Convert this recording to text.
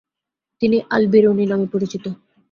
তিনি আল-বেরুনী নামে পরিচিত।